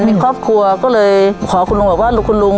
มีครอบครัวก็เลยขอคุณลุงบอกว่าคุณลุง